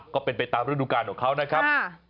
ก็เป็นไปตามฤดูการของเขานะครับ